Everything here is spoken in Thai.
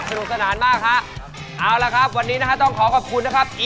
สุดสนับมากเลยนะครับ